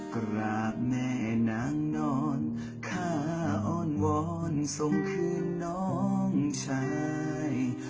กราบแม่นางนอนข้าอ้อนวอนส่งคืนน้องชาย